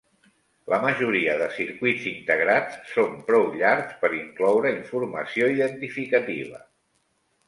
La majoria de circuits integrats són prou llargs per incloure informació identificativa.